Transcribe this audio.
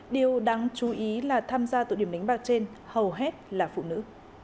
điều đáng chú ý là tham gia tụ điểm đánh bạc trên hầu hết là phụ nữ